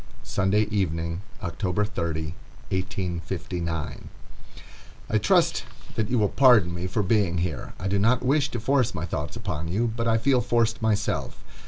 Sunday Evening, October 30, 1859.] I trust that you will pardon me for being here. I do not wish to force my thoughts upon you, but I feel forced myself.